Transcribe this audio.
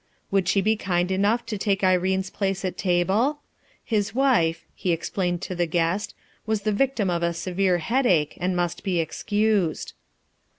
Would she be kind enough to take Irene's place at table ? His wife, he explained to the guest, was the victim of a severe headache and must be excused.